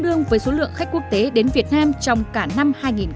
đưa số lượng khách quốc tế đến việt nam trong cả năm hai nghìn một mươi bảy